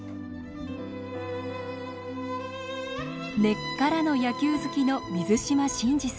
根っからの野球好きの水島新司さん。